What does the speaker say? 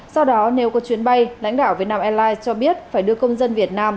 sau đó nếu có chuyến bay lãnh đạo vietnam airlines cho biết phải đưa công dân việt nam